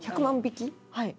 はい。